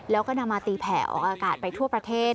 แล้วก็นำมาตีแผ่ออกอากาศไปทั่วประเทศ